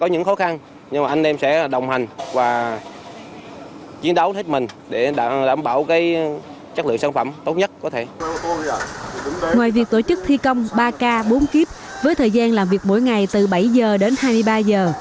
ngoài việc tổ chức thi công ba k bốn kíp với thời gian làm việc mỗi ngày từ bảy giờ đến hai mươi ba giờ